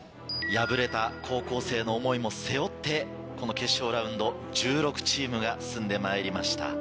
敗れた高校生の思いも背負ってこの決勝ラウンド１６チームが進んでまいりました。